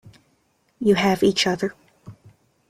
You have each other.